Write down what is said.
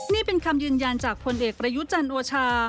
นี่เป็นคำยืนยันจากผลเอกประยุจันทร์โอชา